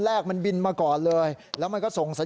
แล้วก็เรียกเพื่อนมาอีก๓ลำ